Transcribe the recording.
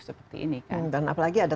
seperti ini kan dan apalagi ada